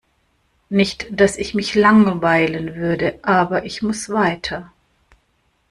Nicht dass ich mich langweilen würde, aber ich muss weiter.